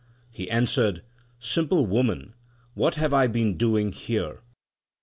He answered, Simple woman, what have I been doing here ?